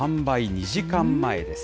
２時間前です。